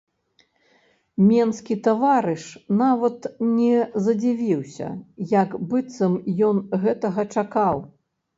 Менскі таварыш нават не задзівіўся, як быццам ён гэтага чакаў.